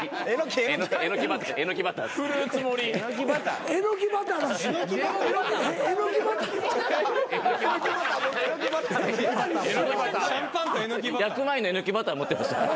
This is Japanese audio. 焼く前のえのきバター持ってました。